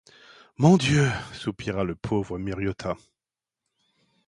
Mon Dieu !… soupira la pauvre Miriota.